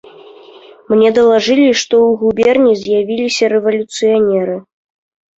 Мне далажылі, што ў губерні з'явіліся рэвалюцыянеры.